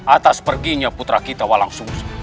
atas perginya putra kita ulang susah